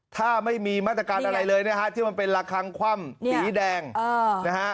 ถ้าไม่มีมาตรการอะไรเลยนะฮะที่มันเป็นระคังคว่ำสีแดงนะฮะ